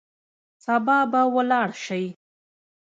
سبا به ولاړ سئ.